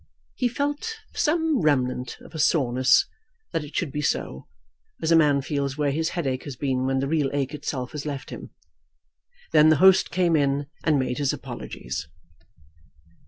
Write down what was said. He felt some remnant of a soreness that it should be so, as a man feels where his headache has been when the real ache itself has left him. Then the host came in and made his apologies.